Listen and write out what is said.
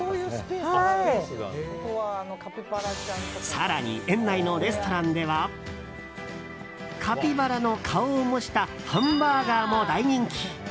更に、園内のレストランではカピバラの顔を模したハンバーガーも大人気。